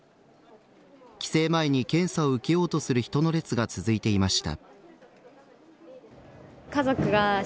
帰省前に検査を受けようとする人の列が続いていました。